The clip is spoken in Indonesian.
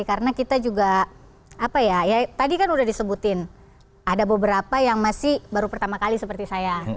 karena kita juga apa ya tadi kan udah disebutin ada beberapa yang masih baru pertama kali seperti saya